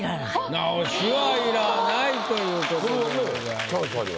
直しは要らないということでございます。